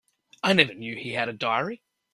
I never knew he had a diary.